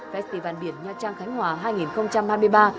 festival biển nha trang khánh hòa hai nghìn hai mươi ba